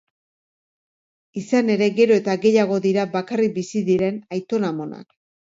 Izan ere, gero eta gehiago dira bakarrik bizi diren aiton-amonak.